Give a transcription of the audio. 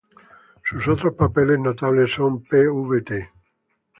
Sus otros papeles notables son Pvt.